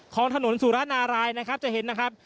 ของถนนสุรนารายนะครับจะเห็นนะครับ